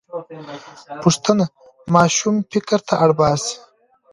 پوښتنه ماشوم فکر ته اړ باسي.